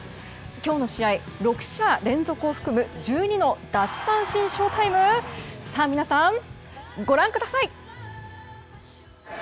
今日の試合、６者連続を含む１２の奪三振ショータイムさあ、皆さん、ご覧ください。